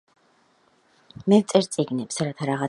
მე ვწერ წიგნებს, რათა რაღაცები გავარკვიო